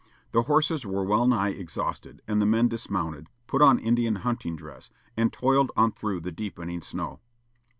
The horses were well nigh exhausted, and the men dismounted, put on Indian hunting dress, and toiled on through the deepening snow.